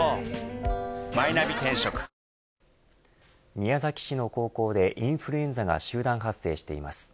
宮崎市の高校でインフルエンザが集団発生しています。